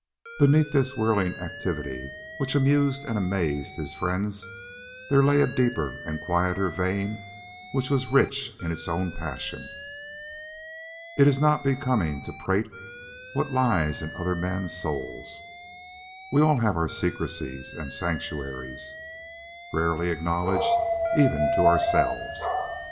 But beneath this whirling activity which amused and amazed his friends there lay a deeper and quieter vein which was rich in its own passion. It is not becoming to prate of what lies in other men's souls; we all have our secrecies and sanctuaries, rarely acknowledged even to ourselves.